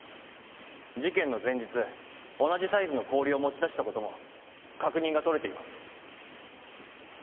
事件の前日同じサイズの氷を持ち出したことも確認が取れています。